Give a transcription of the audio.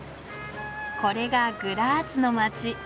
これがグラーツの街。